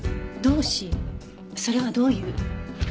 それはどういう。